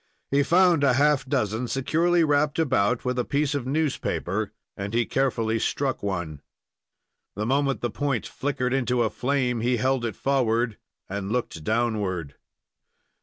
He found a half dozen securely wrapped about with a piece of newspaper, and he carefully struck one. The moment the point flickered into a flame he held it forward and looked downward.